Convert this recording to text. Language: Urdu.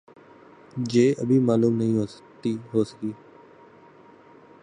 جہ ابھی معلوم نہیں ہو سکی